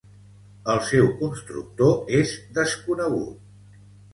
El seu constructor és desconegut.